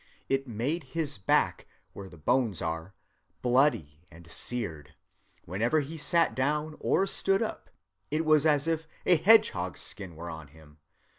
It made his back, where the bones are, bloody and seared. Whenever he sat down or stood up, it was as if a hedgehog‐skin were on him.